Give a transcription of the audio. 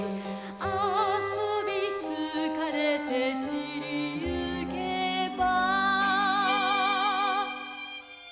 「遊び疲れて散りゆけば」